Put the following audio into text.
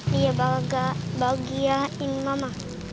dia bagi mama